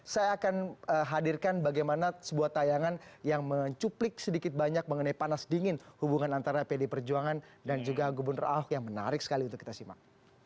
saya akan hadirkan bagaimana sebuah tayangan yang mencuplik sedikit banyak mengenai panas dingin hubungan antara pd perjuangan dan juga gubernur ahok yang menarik sekali untuk kita simak